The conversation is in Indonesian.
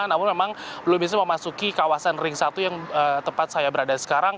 namun memang belum bisa memasuki kawasan ring satu yang tempat saya berada sekarang